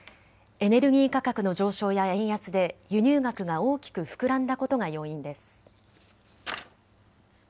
エネルギー価格の上昇や円安で輸入額が大きく膨らんだことが要因です。